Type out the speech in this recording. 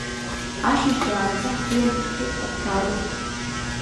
Ашьыжь заанаҵы ҳгыланы ҳҽеиқәҳаршәароуп.